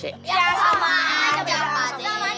ya sama aja pak d